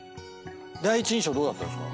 第一印象どうだったんですか？